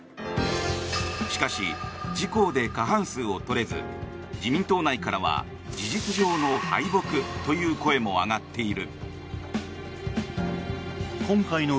しかし、自公で過半数を取れず自民党内からは事実上の敗北という声も上がっている。